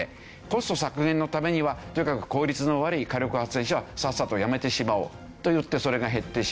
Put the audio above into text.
コスト削減のためにはとにかく効率の悪い火力発電所はさっさとやめてしまおうと言ってそれが減ってしまった。